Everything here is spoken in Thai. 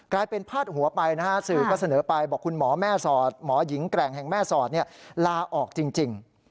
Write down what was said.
กลายเป็นพาดหัวไปนะฮะสื่อก็เสนอไปบอกคุณหมอแม่สอดหมอหญิงแกร่งแห่งแม่สอดลาออกจริง